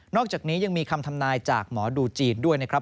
อกจากนี้ยังมีคำทำนายจากหมอดูจีนด้วยนะครับ